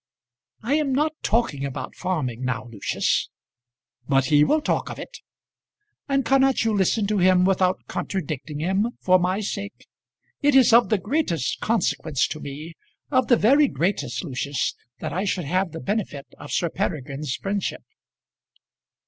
"I am not talking about farming now, Lucius." "But he will talk of it." "And cannot you listen to him without contradicting him for my sake? It is of the greatest consequence to me, of the very greatest, Lucius, that I should have the benefit of Sir Peregrine's friendship."